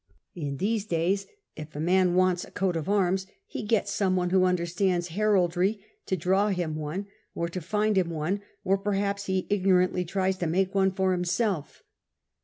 In these days, if a man wants a coat of arms, he gets some one who understands heraldry to draw him one or to find him one, or perhaps he ignorantly tries to make one for himself.